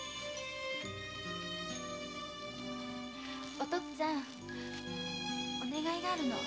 お父っつぁんお願いがあるの。